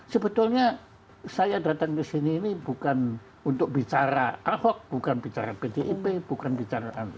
sebetulnya saya datang ke sini ini bukan untuk bicara ahok bukan bicara pdip bukan bicara anies